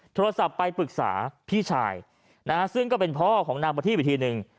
โทรศัพท์ไปปรึกษาพี่ชายนะฮะซึ่งก็เป็นพ่อของนางประทีบอีกทีหนึ่ง